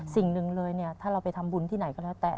สิ่งหนึ่งเลยเนี่ยถ้าเราไปทำบุญที่ไหนก็แล้วแต่